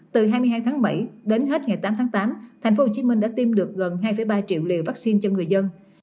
từ hai mươi hai tháng bảy đến hết ngày tám tháng tám thành phố hồ chí minh đã tiêm được gần hai ba triệu liều vaccine cho người dân